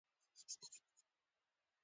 ویده انسان ارام وي